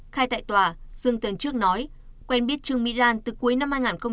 khai tại tòa dương tân trước nói quen biết trương mỹ lan từ cuối năm hai nghìn hai mươi